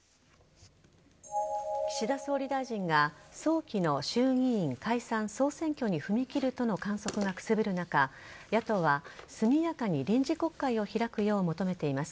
岸田総理大臣が早期の衆議院解散・総選挙に踏み切るとの観測がくすぶる中野党は速やかに臨時国会を開くよう求めています。